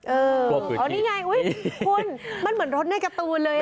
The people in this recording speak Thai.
อ๋อนี่ไงอุ๊ยคุณมันเหมือนรถในการ์ตูนเลย